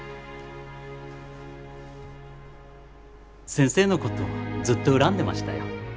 先生のことずっと恨んでましたよ。